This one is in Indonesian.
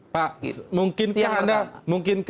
pak mungkin kan anda berpikir bahwa